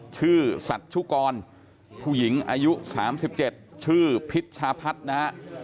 ชื่อสัตว์ชุกรผู้หญิงอายุสามสิบเจ็ดชื่อพิชภัทรนะฮะ